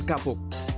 atau bahan kapuk